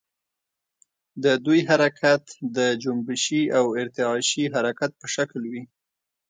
د دوی حرکت د جنبشي او ارتعاشي حرکت په شکل وي.